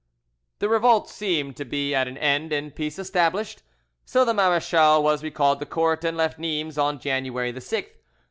The revolt seemed to be at an end and peace established. So the marechal was recalled to court, and left Nimes on January the 6th.